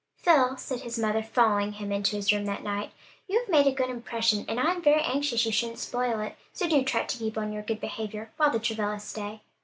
"Phil," said his mother, following him into his room that night, "you have made a good impression, and I'm very anxious you shouldn't spoil it; so do try to keep on your good behavior while the Travillas stay."